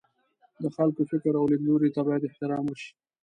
د خلکو فکر او لیدلوریو ته باید احترام وشي.